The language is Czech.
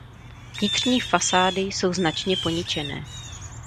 Vnitřní fasády jsou značně poničené.